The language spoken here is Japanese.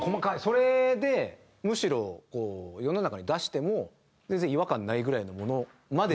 それでむしろ世の中に出しても全然違和感ないぐらいのものまで仕上げて。